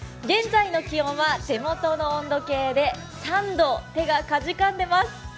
現在の気温は手元の温度計で３度、手がかじかんでます。